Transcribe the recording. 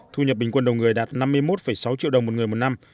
thu nhập bình quân đầu người đạt năm mươi một sáu triệu đồng một người một năm